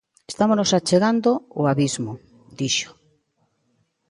Estámonos achegando o abismo, dixo.